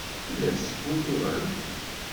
Tella tettgurruɛ-d.